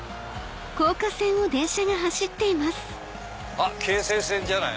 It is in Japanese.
あっ京成線じゃない？